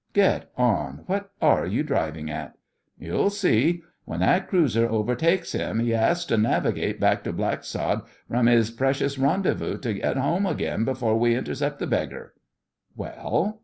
'Get on. What are you drivin' at?' 'You'll see. When that cruiser overtakes 'im 'e 'as to navigate back to Blacksod from 'is precious rendezvous to get 'ome again before we intercepts the beggar.' 'Well?